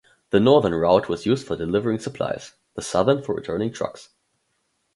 The northern route was used for delivering supplies, the southern for returning trucks.